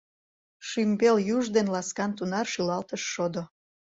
Шӱмбел юж ден ласкан тунар Шӱлалтыш шодо.